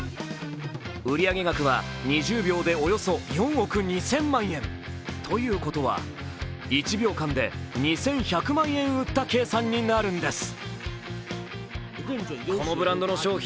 売上額は２０秒でおよそ４億２０００万円ということは１秒間で２１００万円売った計算になるんです。